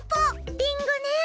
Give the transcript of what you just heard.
リンゴね。